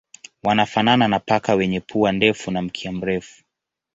Wanafanana na paka wenye pua ndefu na mkia mrefu.